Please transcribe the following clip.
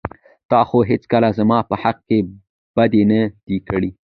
تا خو هېڅکله زما په حق کې بدي نه ده کړى.